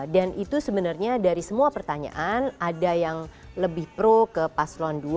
dan itu sebenarnya dari semua pertanyaan ada yang lebih pro ke paslon dua